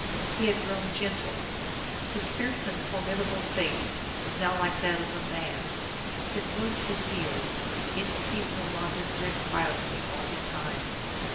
He had grown gentle. His fierce and formidable face was now like that of a man. His wounds had healed ; his teeth no longer grinned wildly all the time.